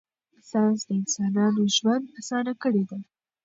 ساینس د انسانانو ژوند اسانه کړی دی.